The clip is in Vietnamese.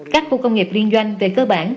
các khu công nghiệp liên doanh về cơ bản